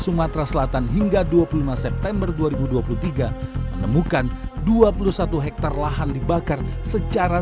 sumatera selatan hingga dua puluh lima september dua ribu dua puluh tiga menemukan dua puluh satu hektare lahan dibakar secara